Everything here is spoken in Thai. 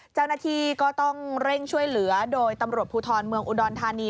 เจ้าหน้าที่ก็ต้องเร่งช่วยเหลือโดยตำรวจภูทรเมืองอุดรธานี